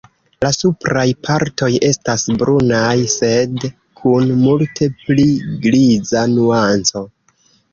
La supraj partoj estas brunaj sed kun multe pli griza nuanco.